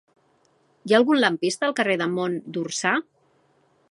Hi ha algun lampista al carrer de Mont d'Orsà?